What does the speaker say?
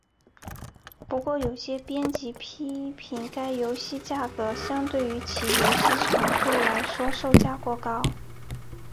不过有些编辑批评该游戏价格相对于其游戏长度来说售价过高。